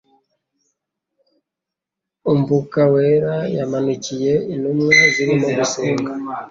Umvuka wera yamanukiye intumwa zirimo gusenga.